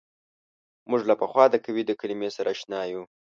موږ له پخوا د قوې د کلمې سره اشنا یو.